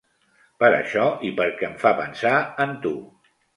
Per això i perquè em fa pensar en tu.